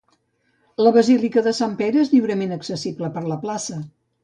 La Basílica de Sant Pere és lliurement accessible per la plaça.